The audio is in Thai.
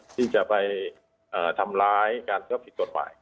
ที่จะไปทำร้าย